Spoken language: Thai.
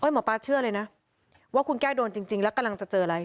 หมอปลาเชื่อเลยนะว่าคุณแก้โดนจริงแล้วกำลังจะเจออะไร